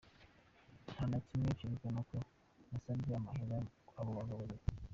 "Nta na kimwe cerekana ko nasavye amahera abo bagabo babiri.